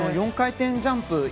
４回転ジャンプ